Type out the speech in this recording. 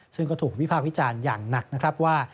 ซึ่งก็ถูกวิพากษ์วิจารณ์อย่างหนักนะครับว่า